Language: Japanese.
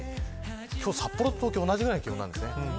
今日、札幌と東京同じくらいの気温なんですね。